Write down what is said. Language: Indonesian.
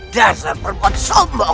dasar perbuat sombong